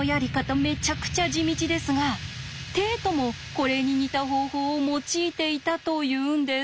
めちゃくちゃ地道ですがテイトもこれに似た方法を用いていたというんです。